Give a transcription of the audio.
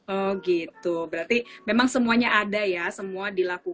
oh gitu berarti memang semuanya ada ya semua dilakukan